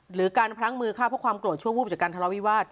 หรือการพลั้งมือฆ่าเพราะความโกรธชั่ววูบจากการทะเลาวิวาส